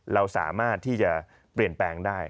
เราสามารถที่จะเปลี่ยนแปลงได้